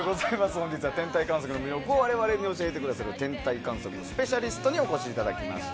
今日は天体観測を我々に教えてくださる天体観測スペシャリストにお越しいただきました。